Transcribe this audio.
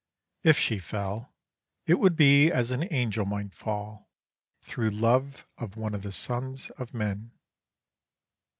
If she fell, it would be as an angel might fall, through love of one of the sons of men.